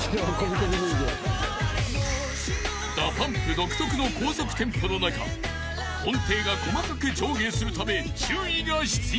［ＤＡＰＵＭＰ独特の高速テンポの中音程が細かく上下するため注意が必要］